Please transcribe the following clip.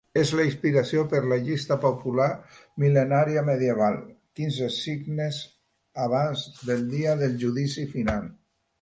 És la inspiració per la llista popular mil·lenària medieval Quinze signes abans del dia del judici final.